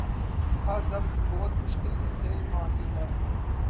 تھا ضبط بہت مشکل اس سیل معانی کا